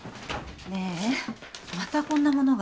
ねえまたこんなものが。